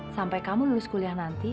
sampai kamu lulus kuliah nanti